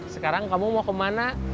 sekarang kamu mau kemana